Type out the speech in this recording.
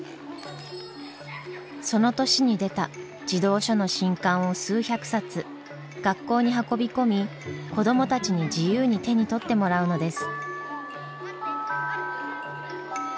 その年に出た児童書の新刊を数百冊学校に運び込み子どもたちに自由に手に取ってもらうのです。